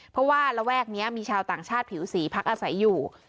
เพราะว่าระแวกนี้มีชาวต่างชาติผิวสีพักอาศัยอยู่